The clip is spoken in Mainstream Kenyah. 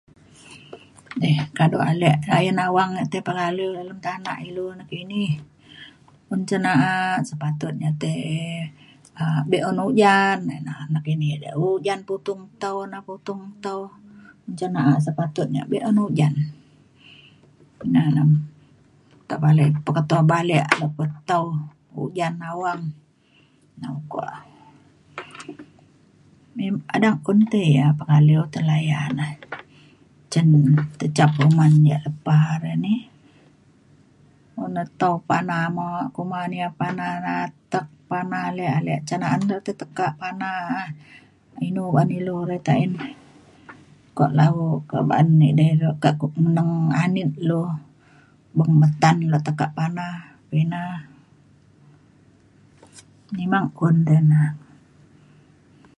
neh kaduk alik layan awang tai pekaliu dalem tanak ilu nakini. un cena'a sepatutnya tai um be'un ojan na nakini odai ojan putung tau na putung tau un cena'a sepatutnya be'un ojan ina na te palai peketo balik lepa tau ujan awang na ukok kadang un pe ia pekaliu ta layan e cen tecap uman ya' lepa re ni un ne tau pana mu kuma ne ia pana na atek pana alik alik cena'an te tekak pana inu ba'an ilu re taen kuak lau kuak ba'an edai ru ke ku nang anit lu beng metan na tekak pana pina memang un da na.